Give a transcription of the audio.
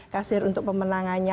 kasir untuk pemenangannya